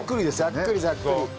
ざっくりざっくり。